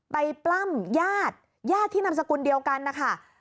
ปล้ำญาติญาติที่นามสกุลเดียวกันนะคะ